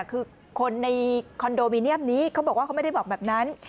คือคนในคอนโดมิเนียมนี้เขาบอกว่าเขาไม่ได้บอกแบบนั้น